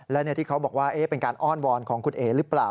และที่เขาบอกว่าเป็นการอ้อนวอนของคุณเอ๋หรือเปล่า